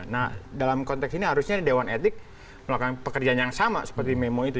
nah dalam konteks ini harusnya dewan etik melakukan pekerjaan yang sama seperti memo itu